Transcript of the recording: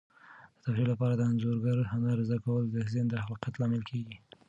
د تفریح لپاره د انځورګرۍ هنر زده کول د ذهن د خلاقیت لامل کیږي.